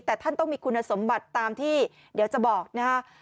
แต่ท่านต้องมีคุณสมบัติตามที่เดี๋ยวจะบอกนะฮะ